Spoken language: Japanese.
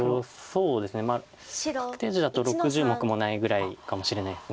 そうですね確定地だと６０目もないぐらいかもしれないです。